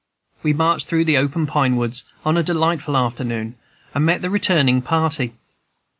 We marched through the open pine woods, on a delightful afternoon, and met the returning party.